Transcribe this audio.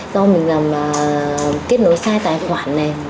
do mình làm kết nối sai tài khoản này